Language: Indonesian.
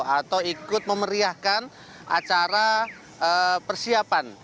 atau ikut memeriahkan acara persiapan